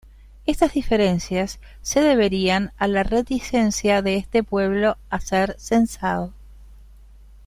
Estas diferencias se deberían a la reticencia de este pueblo a ser censado.